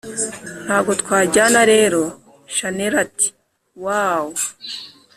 ntago twajyana rero!! chanella ati: wooowww!